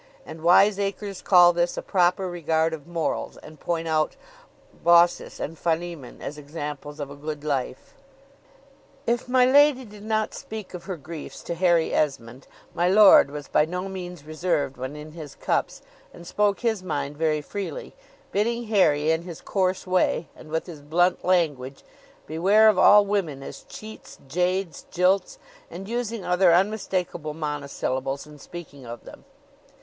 And wiseacres call this a proper regard of morals, and point out Baucis and Philemon as examples of a good life. If my lady did not speak of her griefs to Harry Esmond, my lord was by no means reserved when in his cups, and spoke his mind very freely, bidding Harry in his coarse way, and with his blunt language, beware of all women as cheats, jades, jilts, and using other unmistakable monosyllables in speaking of them.